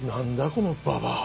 このババア。